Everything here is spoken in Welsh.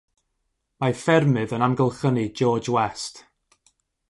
Mae ffermydd yn amgylchynu George West.